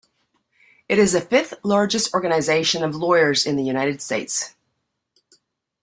It is the fifth largest organization of lawyers in the United States.